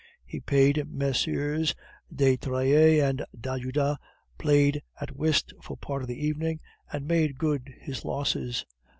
He paid Messieurs de Trailles and d'Ajuda, played at whist for part of the evening, and made good his losses.